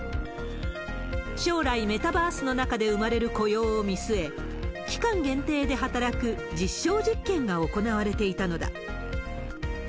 将来、メタバースの中で生まれる雇用を見据え、期間限定で働く実証実験が行われていたのだ。